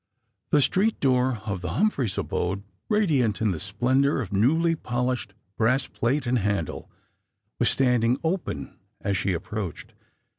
The street door of the Humphreys' abode — radiant in the Bplendour of newly polished brass plate and handle — was stand ing open as she approached.